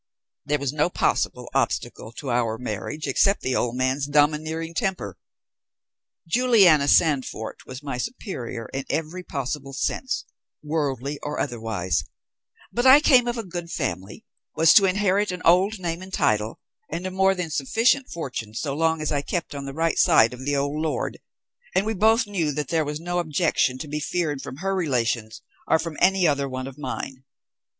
There was no possible obstacle to our marriage except the old man's domineering temper. Juliana Sandfort was my superior in every possible sense, worldly or otherwise; but I came of a good family, was to inherit an old name and title, and a more than sufficient fortune so long as I kept on the right side of the old Lord, and we both knew that there was no objection to be feared from her relations or from any other one of mine.